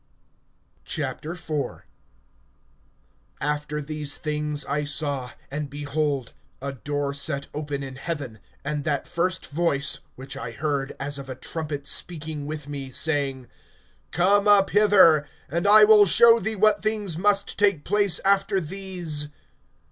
IV. AFTER these things I saw, and, behold, a door set open in heaven, and that first voice (which I heard as of a trumpet speaking with me) saying: Come up hither, and I will show thee what things must take place after these.